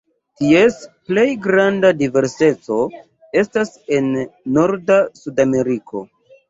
Ties plej granda diverseco estas en norda Sudameriko.